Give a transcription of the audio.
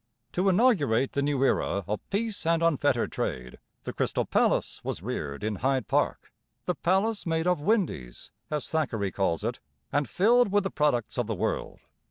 To inaugurate the new era of peace and unfettered trade the Crystal Palace was reared in Hyde Park 'the palace made of windies,' as Thackeray calls it and filled with the products of the world.